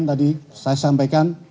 tadi saya sampaikan